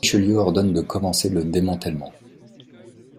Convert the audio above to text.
Richelieu ordonne de commencer le démantèlement.